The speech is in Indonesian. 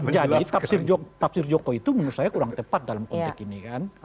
jadi tafsir joko itu menurut saya kurang tepat dalam konteks ini kan